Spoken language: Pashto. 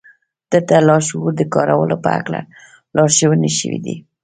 دلته د لاشعور د کارولو په هکله لارښوونې شوې دي